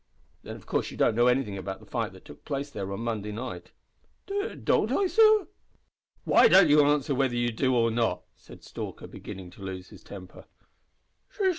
"Then of course you don't know anything about the fight that took place there on Monday night!" "D don't I, sor?" "Why don't you answer whether you do or not?" said Stalker, beginning to lose temper.